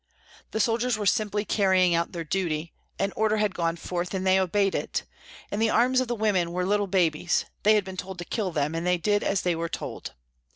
The soldiers were simply carrying out their duty, an order had gone forth and they obeyed it ; in the arms of the women were little babies, they had been told to kill them, and they did as they were told.